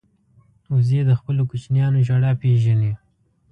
وزې د خپلو کوچنیانو ژړا پېژني